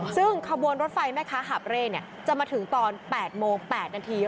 ซึ่งขบวนรถไฟแม่ค้าหาบเร่จะมาถึงตอน๘โมง๘นาที